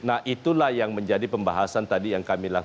nah itulah yang menjadi pembahasan tadi yang kami lakukan